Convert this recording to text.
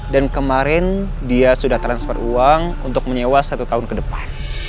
dan kemarin dia sudah transfer uang untuk menyewa satu tahun ke depan